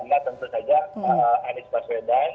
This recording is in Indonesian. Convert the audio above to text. nah tentu saja anies baswedan